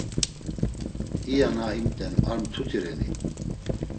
İya na imt̆en ar mtuti reni?